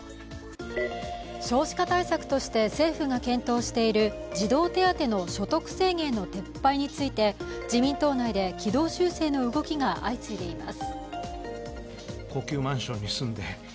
少子化対策として政府が検討している児童手当の所得制限の撤廃について自民党内で軌道修正の動きが相次いでいます。